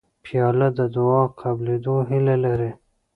پیاله د دعا قبولېدو هیله لري